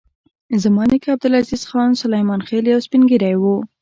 زما نیکه عبدالعزیز خان سلیمان خېل یو سپین ږیری و.